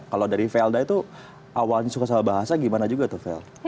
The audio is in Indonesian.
kalau dari velda itu awalnya suka sama bahasa gimana juga tuh vel